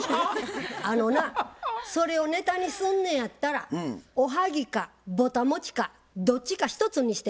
あのなそれをネタにすんのやったらおはぎかぼたもちかどっちか１つにして。